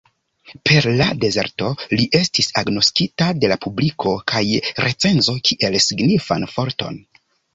Per "La Dezerto" li estis agnoskita de la publiko kaj recenzo kiel signifan forton.